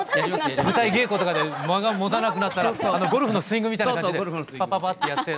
舞台稽古とかで間が持たなくなったらゴルフのスイングみたいな感じでパパパパっとやって。